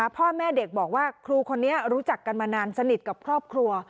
พ่อแม่เด็กบอกว่าครูคนนี้รู้จักกันมานานสนิทกับครอบครัว